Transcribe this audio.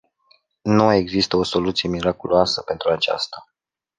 Nu există o soluție miraculoasă pentru aceasta.